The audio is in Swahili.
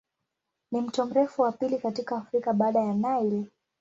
Ni mto mrefu wa pili katika Afrika baada ya Nile.